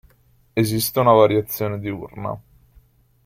Esiste una variazione diurna.